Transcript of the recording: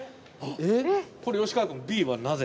これ吉川君Ｂはなぜ？